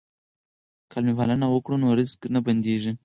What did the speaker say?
که مېلمه پالنه وکړو نو رزق نه بندیږي.